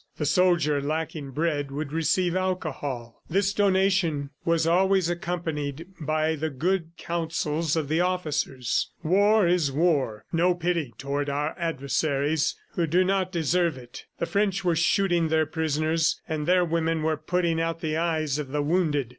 The soldier, lacking bread, would receive alcohol. ... This donation was always accompanied by the good counsels of the officers War is war; no pity toward our adversaries who do not deserve it. The French were shooting their prisoners, and their women were putting out the eyes of the wounded.